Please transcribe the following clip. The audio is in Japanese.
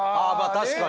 確かに。